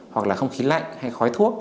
hoặc là không khí lạnh hay khói thuốc